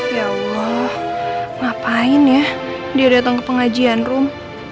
ya allah ngapain ya dia datang ke pengajian rum